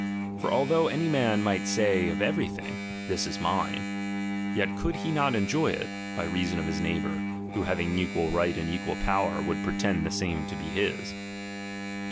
For although any man might ^M say of every thing, this is mine, yet could he not ^H enjoy it, by reason of his neighbour, who having ^| equal right and equal power, would pretend the same thing to be his, 12.